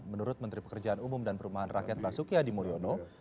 menurut menteri pekerjaan umum dan perumahan rakyat basuki adi mulyono